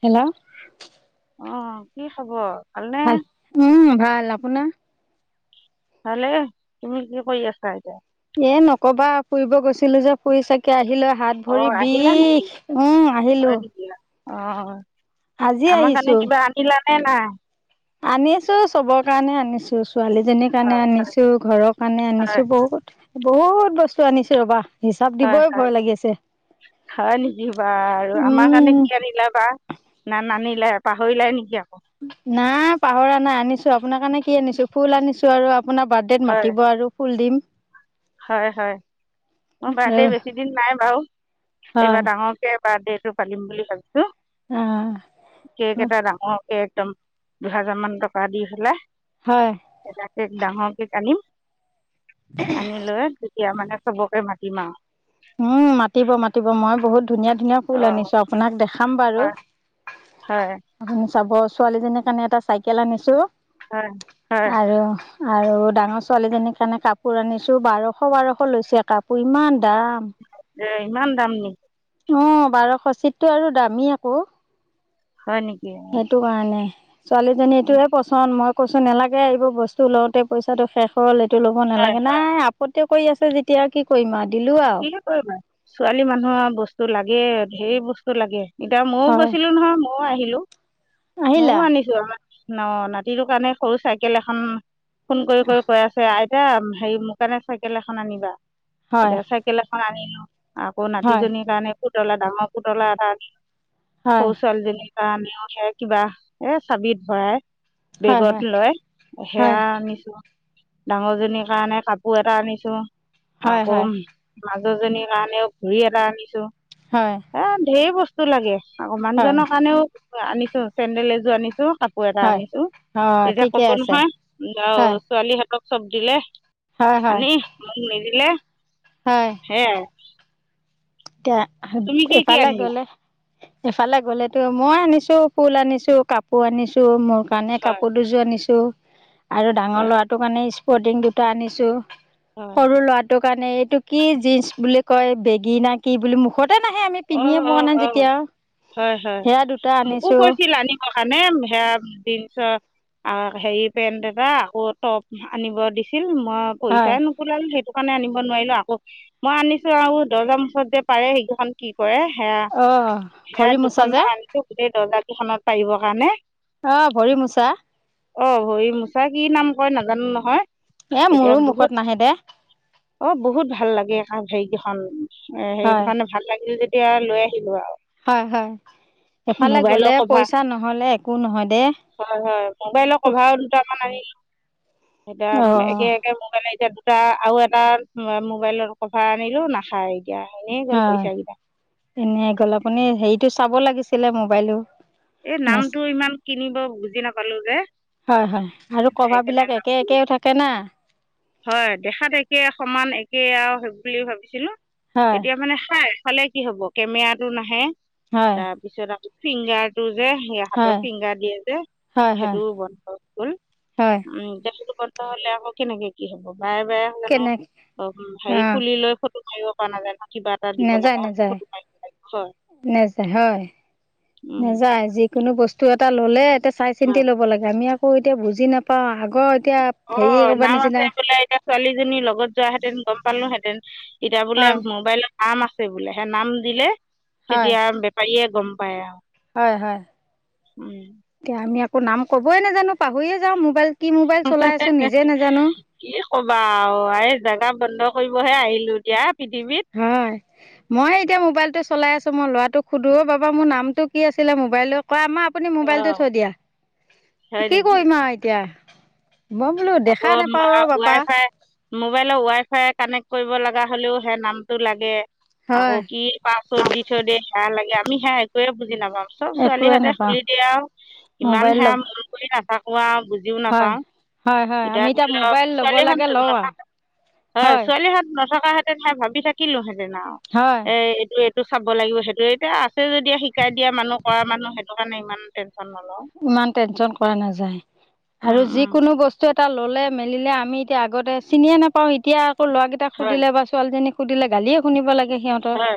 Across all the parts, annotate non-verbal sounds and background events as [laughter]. Hello. অ', কি খবৰ? ভালনে ভাল উম ভাল, আপোনাৰ? ভালে, তুমি কি কৰি আছা এতিয়া? এ নকবা ফুৰিব গৈছিলো যে ফুৰি চাগে আহিলে হাত অঁ ভৰি আহিলা বিষ উম আহিলো। অ আজি আমাৰ আহিছো কাৰণে কিবা আনিলানে নাই? আনিছো চবৰ কাৰণে আনিছোছ। ছোৱালীজনীৰ কাৰণে হয় হয় আনিছো, ঘৰৰ কাৰণে হয় আনিছো বহুত বহুত বস্তু আনিছো ৰ'বা। হিচাপ দিবই ভয় লাগি আছে। খাই নেকি বা আৰু আমাৰ কাৰণে উম কি আনিলা বা না নানি লে পাহৰিলাই নেকি আ নাই পাহৰা নাই আনিছো আপোনাৰ কাৰণে কি আনিছো ফুল আনিছো আৰু আপ পোনাৰ বাৰ্থডেত হয় মাতিব আৰু ফুল দিম। হয় হয় মোৰ আৰু বাৰ্থডে বেছি দিন নাই বাৰু হয় এইবাৰ ডাঙৰকে বাৰ্থডেটো পালিম বুলি ভাবিছো। কেক অ এটা ডাঙৰ একদম দুহেজাৰ মান টকা দি হ'লে হয়। কেক ডাঙৰ কেক আনিম। [unintelligible] আনি লৈ তেতিয়া মানে চবকে মাতিম আও। উম মাতিব মাতিব মই বহুত ধুনীয়া ধুনীয়া ফুল অঁ আনিছো আপোনাক দেখাম হয় বাৰু হয় আপুনি চাব। ছোৱালীজনীৰ কাৰণে এটা চাইকেল আনিছো হ হ আৰু ডাঙৰ ছোৱালীজনীৰ কাৰণে কাপোৰ আনিছো বাৰশ -বাৰশ লৈছে কাপোৰ ইমান দাম। এ ইমান দাম নে অ বাৰশ চিটতটো আৰু দামী আক। হয় নেকি সেইটো কাৰণে উম, ছোৱালীজনীটোয়ে পচন্দ মই কৈছো নালাগে আহিব বস্তু লওঁতে পইচাটো শেষ হ'ল এইটো ল'ব হয় নালাগে নাই আপত কৰি আছে যেতিয়া কি কৰিম আও কিনো কৰিবা ছোৱালী মানুহ আও বস্তু লাগেই ধেৰ বস্তু লাগে। এতিয়া ময়ো হয় গৈছিলো নহয় ময়ো আহিলো আহিলা ময়ো আনিছো আমাৰ ন নাতিটোৰ কাৰণে সৰু চাইকেল এখন ফোন কৰি কৰি কৈ আছে আই ইতা হেৰি মোৰ কাৰণে চাইকেল এখন আনিবা। হয় খন আনিলো আকৌ হয় নাতিজনীৰ কাৰণে পুতলা ডাঙৰ পুতলা এটা। হয় সৰু ছোৱালীজনীৰ কাৰণেও সে কিবা এ চাবিত ভৰাই হয় হয় হয় বেগত লয় হয়। সেয়া আনিছো। ডাঙৰ জনীৰ কাৰণে কাপোৰ এটা আনিছো হয় আকৌ হয় মাজুজনীৰ কাৰণেও ঘৰি এটা আনিছো, হয় এ ধেৰ বস্তু লাগে। আকৌ মানুহ হয় জনৰ কাৰণেও আনিছো, চেণ্ডেল এযোৰ আনিছো। কাপোৰ এটা হয় আনিছো। অঁ এতিয়া ঠিকে কব আছে নহয় আৰু হয় ছোৱালীহঁতক চব দিলে হয় হয় আনি মোক নিদিলে, হয় সেইয়া এ। এতিয়া কি এফালে আনিলা গলে এফালে গলেতো মই আনিছো ফুল আনিছো কাপোৰ আনিছো মোৰ কাৰণে হয় কাপোৰ দুযোৰ আনিছোঁ। আৰু ডাঙৰ হয় ল'ৰাটোৰ কাৰণে স্পৰ্টিং দুটা আনিছো হয় সৰু ল'ৰাটোক কাৰণে এইটো কি জিন্চ বুলি কয় বেগী নে কি বুলি মুখত [unintelligible] সেই আমি অঁ পিন্ধিয়ে পোৱা অঁ নাই, অঁ যেতিয়া হয় সেয়া দুটা আনিছোঁ। মানে সেয়া জিনছৰ আহ, হেৰি পেন্ট এটা আকৌ টপ আনিব দিছিল মই হয় পইচাই নোকোলাল সেইটো কাৰণে আনিব নোৱাৰিলো আকৌ মই আনিছো আৰু দৰ্জাৰ মুখত যে পাৰে সেইকেইখন কি কৰে অঁ সেয়া-সেয়া ভৰি মোচা যে দুখনমান আনিছো গোটেই দৰ্জা দুখনত পাৰিবৰ কাৰণে। অ', ভৰি মোচা। অ', ভৰি মোচা কি নাম কয় নাজানো নহয়। এ এতিয়া মোৰো মুখত বহুত নাহে দে অ', বহুত ভাল লাগ [unintelligible] হেৰি কেইখন এ হেই হয় কাৰণে ভাল লাগিল যেতিয়া লৈ আহিলো আৰু। হয় হয়, এফালে মোবাইলৰ গলে কভাৰ পইচা নহলে একো নহয় দেই। হয় হয়, মোবাইলৰ কভাৰ দুটামান আনিলো। এতিয়া অ একে-একে মোবাইলে এতিয়া দুটা আৰু এটা মোবাইলৰ কভাৰ আনিলো, নাচায় এতিয়া, এনে গ'ল হয় পইচা কেইটা। এনে গ'ল, আপুনি হেৰিটো চাব লাগিছিলে মোবাইলো এই নেচ নামটো ইমান কিনিব বুজি নাপালো যে। হয় হয় আৰু কভাৰ সেইকাৰণে বিলাক একে নামটো একেও থাকে না। হয় দেখাত একে সমান একে আও সেইবুলি ভাবিছিলো, হয় এতিয়া মানে খায় খালে কি হব কেমেৰাটো নাহে হয় তাৰপিছত আকৌ ফিংগাৰটো যে সে হাতৰ হয় ফিংগাৰ দিয়ে যে, হয় হয় সেইটো বন্ধ হল হয় উম এতিয়া সেইটো কাৰ হলে আকৌ কেনেকে কি হব! বাৰে বাৰে জানো কেনে অ অ হেৰি খুলি লৈ ফট টো মাৰিব পৰা নাযায় ন। কিবা এটা দিব নেযায় লগা হ'লে নেযায় ফটো মাৰিব লাগিব হয় নেযায় হয়। উম নেযায় যিকোনো বস্তু এটা ললে এতিয়া চাই চিন্তি ল'ব লাগে আমি আৰু আ এতিয়া বুজি নাপাওঁ আগৰ এতিয়া অ হেৰি একেবাৰে নাম নিচিনা আছে বোলে এতিয়া ছোৱালীজনীৰ লগত যোৱাহেঁতেন গম পালোহেঁতেন, এতিয়া বোলে হয় মোবাইলত নাম আছে বোলে, সে নাম দিলে হয় তেতিয়া বেপাৰীয়ে গম পায় আও। হয় হয়, এতিয়া আমি আকৌ নাম কবই নাজানো পাহৰিয়ে যাওঁ মোবাইল কি মোবাইল চলাই আছো নিজে নাজানো। [unintelligible] কি কবা আও এই জেগা বন্ধ কৰিবহে আহিলো এতিয়া পৃথিৱীত হয় মই এতিয়া মোবাইলটো চলাই আছো মই লৰাটোক সোধো অ বাবা মোৰ নামটো কি আছিলে মোবাইল কোৱা? মা আপুনি মোবাইলটো অঁ থৈ দিয়া, হয় কি নেকি কৰিম আৰু এতিয়া। মই বোলো আকৌ দেখা উম বা নাপাওঁ অ' ৱাই পাপা। ফাই মোবাইলৰ ৱাই ফাই কানেক্ট কৰিব লগা হ'লেও সে নামটো লাগে। আকৌ হয় কি পাছপৰ্ড দি থৈ দিয়ে সেয়া লাগে আমি সেয়া একোৱে বুজি বুজি নাপাওঁ, চব একোৱে ছোৱালীহঁতে নাপাওঁ খুলি দিয়ে আও ইমান মোবাইল সেয়া ল'ব মন কৰি নাথাকো আও বুজিও হয়। নাপাওঁ। হয় হয় এতিয়া আমি যেতিয়া মোবাইল ল'ব ছোৱালী লাগে [unintelligible] লওঁ আৰু নাথাকে হয় ছোৱালী হাত নথকা হেতেন হে ভাবি থাকিলো হেঁতেন আৰু হয়। এ -এইটো টো চাব লাগিব সেইটো এতিয়া আছে যদিওঁ শিকাই দিয়া মানুহ কৰা মানুহ সেইটো কাৰণে ইমান টেন ইমান টেনচন কৰা নাযায় আৰু উম উম যিকোনো বস্ত এটা ল'লে মেলিলে আমি এতিয়া আগতে চিনিয়ে নাপাওঁ, এতিয়া আকৌ ল'ৰা কেইটাক হয় সুধিলে বা ছোৱালীজনীক সুধিলে গালিয়ে শুনিব লাগে সিহঁতৰ। হয়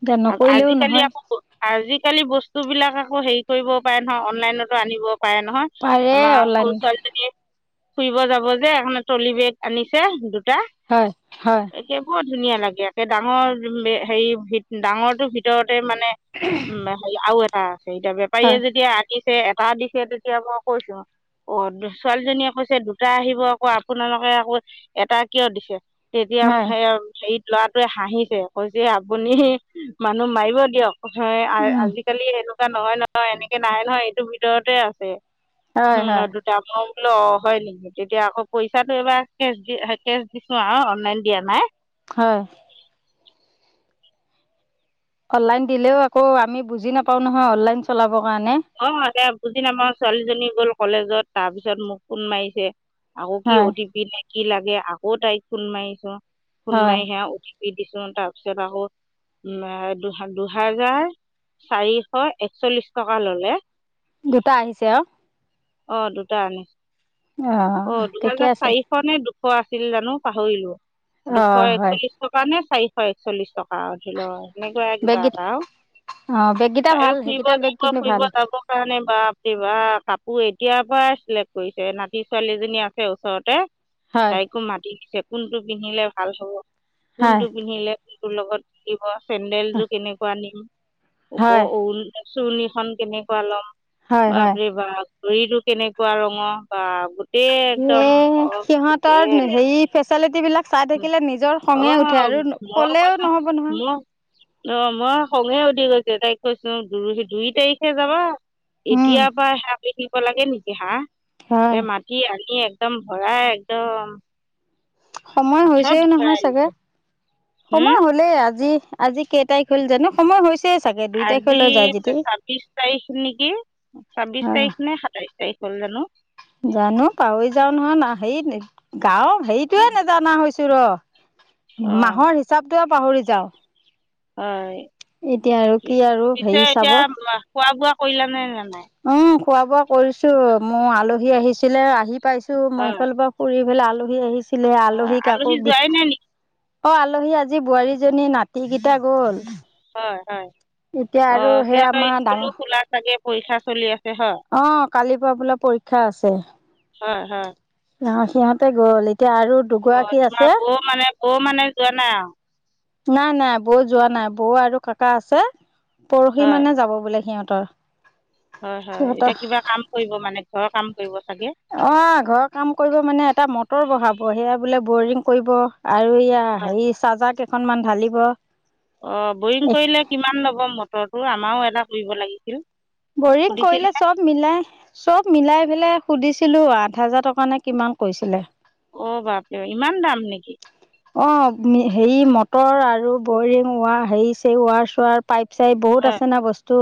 এতিয়া নকৰিলেও আজিকালি নহয় আকৌ আজিকালি বস্তুবিলাক আকৌ হেই কৰিব পাৰে নহয়, অনলাইনতো আনিব পাৰে নহয়, পাৰে আমাৰ অনলাইন সৰু ছোৱালীজনীয়ে ফুৰিব যাব যে [unintelligible] ট্ৰলি বেগ আনিছে দুটা হয় হয় একেব ধুনীয়া লাগে একে ডাঙৰ হেৰি ভিত ডাঙৰটো ভিতৰত তে মানে উম, হেৰি আৰু এটা আছে এতিয়া বেপাৰীয়ে হয় যেতিয়া [unintelligible] এটা দিছে তেতিয়া মই কৈছো অ', ছোৱালীজনীয়ে কৈছে দুটা আহিব আকৌ আপোনালোকে আকৌ এটা কিয় দিছে? তেতিয়াম হয় সেই হেৰিত ল'ৰা হাঁহিছে কৈছে আপুনি মানুহ মাৰিব দিয়ক, উম আ-আজিকালি এনে নহয়, নহয়, এনেকে নাহে নহয়, এইটো ভিতৰতে আছে, হয় হম হয় দুটা [unintelligible] অ', হয়, নিকি? তেতিয়া আকৌ পইচাটো এইবাৰ কেচ দি-কেচ দিছোঁ আৰু অনলাইন দিয়া নাই। হয়। অনলাইন দিলেও আকৌ, আমি বুজি নাপাওঁ নহয়, অনলাইন চলা অ', দে বুজি নাপাওঁ, ছোৱালীজনী গ'ল কলেজত, তাৰপিছত মোক ফোন মাৰিছে। আকৌ কি হয় অ', টি পি নেকি লাগে আকৌ তাইক ফোন মাৰিছোঁ, ফোন হয় মাৰি সেয়া অ', টি দিছোঁ তাৰপিছত আকৌ [unintelligible] দুহ-দুহেজাৰ চাৰিশ একচল্লিশ টকা ল'লে। দুটা আহিছে আৰু। অ', দুটা আনি অঁ অ', ঠিকে দুহেজাৰ আছে চাৰিশনে দু এশ আছিল জানোঁ পাহৰিলোঁ, দুশ অঁ হয় একচল্লিশ টকা নে চাৰিশ একচল্লিশ টক [unintelligible] সেনেকুৱাই কিবা বেগকেইটা এটা আৰু, অঁ বেগকেইটা ভাল সেইকেইটা বেগ [unintelligible] কিন্তু ফুৰিব ভাল যাবৰ কাৰণে বা [unintelligible] কাপোৰ এতিয়াৰ পৰাই চিলেক্ট কৰিছে, নাতি ছোৱালী এজনী আছে ওচৰতে। হয় তাইকো মাতিছে কোনটো পিন্ধিলে ভাল হব, হয় কোনটো পিন্ধিলে লগত থাকিব, চেন্দেল যোৰ কেনেকুৱা নিম ওপ হয় [unintelligible] খন কেনেকুৱা ল'ম, হয় হয় বাপৰে বাপ! ঘড়ীটো কেনেকুৱা ৰঙৰ ৱাহ! গোটেই এ একদম অ' সিহঁতৰ গোটেই হেৰি ফেচিলিটি বিলাক চাই থাকিলে নিজৰ খঙে উঠে অ' আৰু মই ক'লেও নহ'ব নহয় [unintelligible] খঙে উঠি গৈছে, তাইক কৈছো দু-দুই তাৰিখে যাবা উম এতিয়া পৰা দিব লাগে নেকি হাহ, হয় এই মাটি আলিয়ে একদম ভৰাই একদম। সময় চব হৈছেও নহয় ভৰাই চাগে। হম সময় হলেই আজি আজি কেই তাৰিখ হ'ল জানো সময় হৈছে। আজি ছাব্বিশ তাৰিখ নেকি, ছাব্বিশ তাৰিখ নে সাতাইশ তাৰিখ। হল জানো জানো, পাহৰি যাও নহয়, না হেই গাও হেৰিটোয়ে নজানা হৈছো ৰ। অ মাহৰ হিচাপটো পাহৰি যাও। হয়, কি আৰু পিছে হেৰি এতিয়া চাব খোৱা-বোৱা কৰিলানে নাই? খোৱা-বোৱা কৰিছোঁ, মোৰ আলহী আহিছিলে আহি পাইছোঁ মই হয় হয় এইফালৰ পৰা ফুৰি পেলাই আলহী আহিছিলে, আলহীক আকৌ আলহী বিষ যোৱাই নাই নেকি অ' আলহী আজি বোৱাৰীজনী নাতিকেইটা গল। হয় হয়। এতিয়া আৰু আহ, সেই সিহঁতৰ আমাৰ স্কুলো ডাঙৰ খোলা চাগে পৰীক্ষা চলি আছে হয়। অ কালিৰ পৰা বোলে পৰীক্ষা আছে। হয়, হয়। অ সিহঁতে গ'ল এতিয়া আৰু দুগৰাকী তোমাৰ আছে বৌ মানে অ, মানে জোৱা নাই আও নাই-নাই বৌ যোৱা নাই বৌ আৰু কাকা আছে পৰহি মানে যাব বোলে সিহঁত। ত হয়-হয় এতিয়া কিবা কাম কৰিব মানে ঘৰৰ কাম কৰিব? চাগে অ, ঘৰৰ কাম কৰিব মানে এটা মটৰ বহাব সেয়া বোলে বৰিং কৰিব। আৰু ইয়া হয় হেৰি চাজা কেইখনমান ঢালিব। অ' বৰিং কৰিলে কিমান ল'ব মটৰটো? আমাৰো এটা কৰিব লাগিছিল। বৰিং কৰিলে সুধিছিলনে চব মিলাই চব মিলাই পেলাই সুধিছিলো আঠ হাজাৰ টকা নে কিমান কৈছিলে। অ বাপৰে ইমান দাম নেকি? অ হেৰি মটৰ আৰু বৰিং ৱাৰ হেৰিছে ৱাৰ চাৰ পাইপ চাইপ বহুত হয় আছে না বস্তু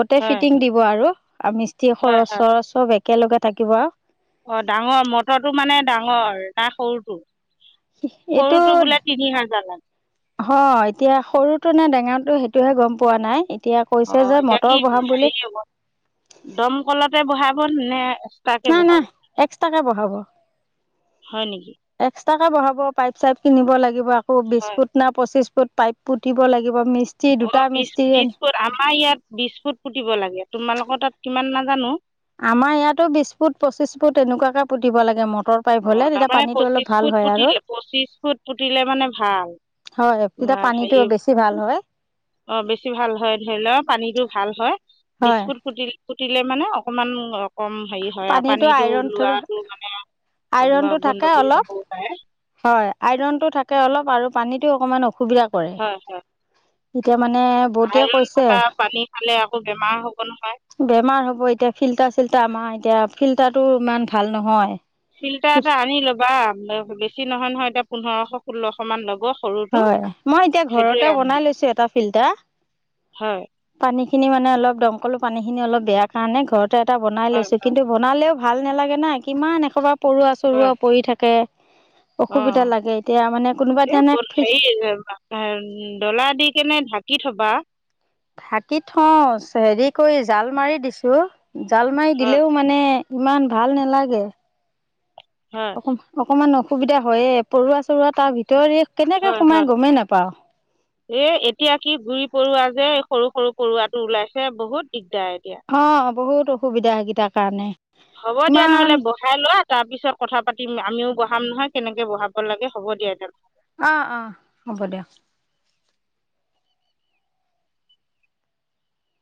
গোটেই হয় ফিটিং দিব আৰু। আৰু মিস্ত্ৰী হয় খৰচ চৰচ সব একেলগে থাকিব আৰু। অ, ডাঙৰ মটৰটো মানে ডাঙৰ না সৰুটো? হিহ সৰুটো এইটোত বোলে তিনি হাজাৰ লাগে হয় এতিয়া সৰুটো নে ডেঙা ত'সেইটোহে গম পোৱা নাই এ অ, এতিয়া কি হেৰি হব দমকলতে বহাব নে এক্সট্ৰাকৈ বহাব নাই-নাই এক্সট্ৰাকে বহাব হয় নেকি এক্স ট্ৰাকে বহাব পাইপ চাইপ কিনিব লাগিব আকৌ বিছ হয় ফুট না পঁচিছ ফুট পাইপ পুতিব লাগিব মি অ, বিছ-বিছ ফুট আমাৰ ইয়াত বিছ ফুট পুতিব লাগে তোমালোকৰ তাত কিমান মান আমাৰ ইয়াতো বিছ ফুট, পঁচিছ ফুট তেনেকুৱাকে পুতিব লাগে মট অ তাৰমানে পঁচিশ ফুট পুতিলে পঁচিশ ফুট পুতিলে মানে ভাল। হয় তেতিয়া আ, পানীটো হেৰি বেছি ভাল হয়। অ বেছি ভাল হয় ধৰি লোৱা পানীতটো ভাল হয় বিশ হয় ফুট ত্ৰিছ ফুট উঠিলে মানে অকমান অকম হেৰি হয় আৰু পানীটো ওলোৱাটো মানে আইৰণতটো থাকে গণ্ডগোল অলপ হ'বও পাৰে হয় আইৰণতটো থাকে অলপ আৰু পানীতো অকমান অসুবিধা কৰে। হয় হয় এতিয়া মানে বৌতিয়ে আইৰন কৈছে থকা পানী খালে আকৌ বেমাৰ হ'ব নহয়। বেমাৰ হ'ব এতিয়া ফিল্টাৰ চিল্টাৰ আমাৰ এতিয়া ফিল্টাৰো ইমান ভাল নহয়। ফিল্টাৰটা আনি ল'বা বেছি নহয় নহয় এতিয়া পোন্ধৰশ ষোল্লশ মান ল'ব। সৰুটো হয় মই এতিয়া সেইটোৱে ঘৰতে আনি বনাই লৈছো এটা ফিল্টাৰ হয় পানী খিনি মানে অলপ দমকলো পানীখিনি অলপ বেয়া কাৰণে ঘৰতে এটানাই হয় লৈছোঁ কিন্তু বনালেও ভাল নালাগে না কিমান একসোবাৰে পৰুৱা হয় চৰুোৱাা পৰি থাকে। অ অসুবিধা লাগে এতিয়া মানে কোনোবা এ এই তেনে বল হেৰি ডলা দি কেনে ঢাকি থবা। থাকি থওঁ হেৰি কৰি জাল মাৰি দিছো। জাল মাৰি হয় দিলেও মানে ইমান ভাল নালাগে। হয় অ অকমান অসুবিধা হয়য়ে পৰুৱা চৰোৱা তাৰ ভিতৰত তই এই কেনেকে হয় হয় সোমাই গমেই নাপাও। এই এতিয়া কি গুৰি পৰুৱা যে সৰু সৰু পৰুৱাটো ওলাইছে বহুত দিগদ অ বহুত অসুবিধা হয় সেইটাৰ কাৰণে। হ'ব দিয়া ইমান নহলে বহাই লোৱা তাৰ পিছত কথা পাতি আমিও বঢ়াম নহয় কেনেকে বহাব লাগ হব দিয়া এহত অ অ হ'ব দিয়া